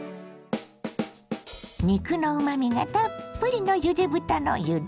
肉のうまみがたっぷりのゆで豚のゆで汁。